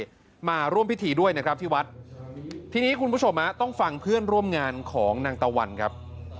มาร่วมพิธีด้วยนะครับที่วัดทีนี้คุณผู้ชมฮะต้องฟังเพื่อนร่วมงานของนางตะวันครับ